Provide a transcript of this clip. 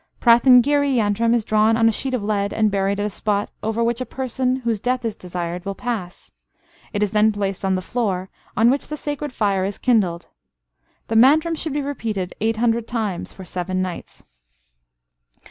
Prathingiri yantram is drawn on a sheet of lead, and buried at a spot over which a person, whose death is desired, will pass. It is then placed on the floor, on which the sacred fire is kindled. The mantram should be repeated eight hundred times for seven nights.